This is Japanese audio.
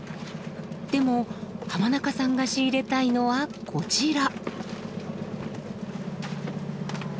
でも浜中さんが仕入れたいのはこちら。